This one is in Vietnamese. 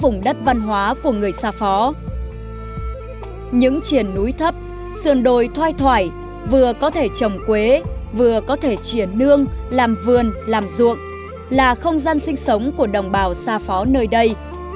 những triển núi thấp sườn đồi thoai thoải vừa có thể trồng quế vừa có thể triển nương làm vườn làm ruộng là không gian sinh sống của đồng bào xa phó nơi đây